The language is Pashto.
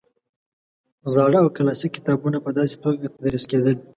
زاړه او کلاسیک کتابونه په داسې توګه تدریس کېدل.